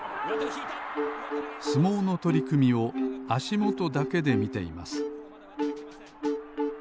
相撲のとりくみをあしもとだけでみています